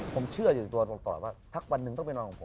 ผมเชื่ออยู่ตัวตลอดว่าถ้าวันนึงต้องไปนอน